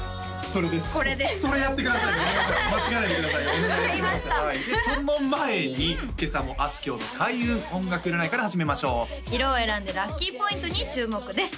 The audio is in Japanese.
その前に今朝もあすきょうの開運音楽占いから始めましょう色を選んでラッキーポイントに注目です